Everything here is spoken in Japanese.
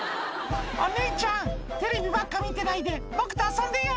「お姉ちゃんテレビばっか見てないで僕と遊んでよ」